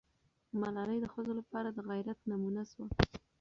ملالۍ د ښځو لپاره د غیرت نمونه سوه.